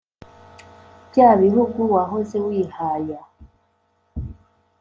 bya bihugu wahoze wihaya